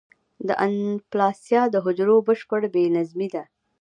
د اناپلاسیا د حجرو بشپړ بې نظمي ده.